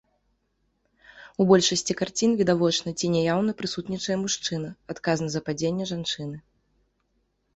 У большасці карцін відавочна ці няяўна прысутнічае мужчына, адказны за падзенне жанчыны.